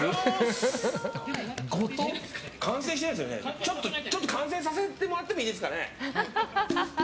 ちょっと完成させてもらってもいいですかね。